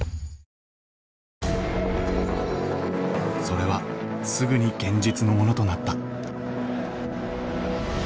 それはすぐに現実のものとなった。